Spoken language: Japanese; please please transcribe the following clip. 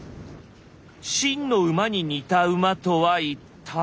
秦の馬に似た馬とは一体。